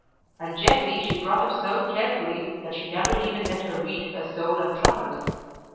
And Jessie she brought up so carefully that she never even let her read "A Soul Untrammelled."